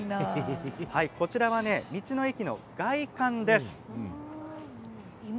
こちらは道の駅の外観です。